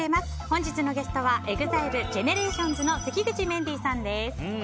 本日のゲストは、ＥＸＩＬＥＧＥＮＥＲＡＴＩＯＮＳの関口メンディーさんです。